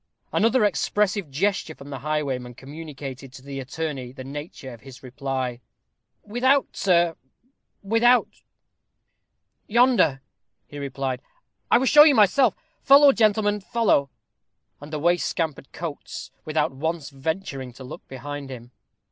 Another expressive gesture from the highwayman communicated to the attorney the nature of his reply. "Without, sir without yonder," he replied. "I will show you myself. Follow, gentlemen, follow." And away scampered Coates, without once venturing to look behind him.